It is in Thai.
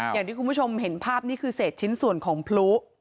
อย่างที่คุณผู้ชมเห็นภาพนี่คือเศษชิ้นส่วนของพลุ